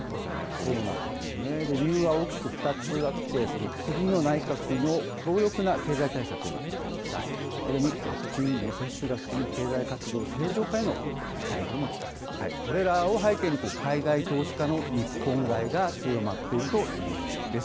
そうなんですね、理由は大きく２つあって、次の内閣の強力な経済対策への期待、それにワクチンの接種が進み、経済活動正常化への期待、これらを背景に、海外投資家の日本買いが強まっているというんです。